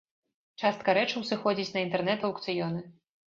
Частка рэчаў сыходзіць на інтэрнэт-аўкцыёны.